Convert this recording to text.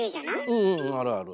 うんうんあるある。